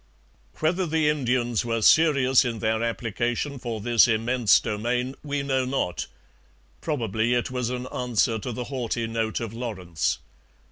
Whether the Indians were serious in their application for this immense domain, we know not; probably it was an answer to the haughty note of Lawrence.